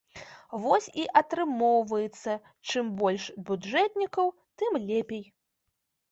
Вось і атрымоўваецца, чым больш бюджэтнікаў, тым лепей.